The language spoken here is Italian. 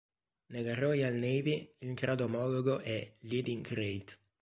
Nella Royal Navy il grado omologo è Leading rate.